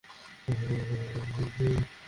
খামগুলোর জন্য ধন্যবাদ, mister Carlyle.